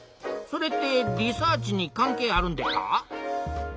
それってリサーチに関係あるんでっか？